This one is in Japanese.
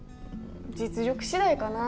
実力次第かな。